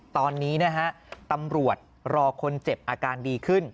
ตอนนี้นะฮะตำรวจรอคนเจ็บอาการดีขึ้น